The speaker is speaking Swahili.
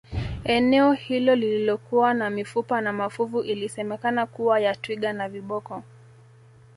eneo hilo lililokuwa na mifupa na mafuvu ilisemekana kuwa ya twiga na viboko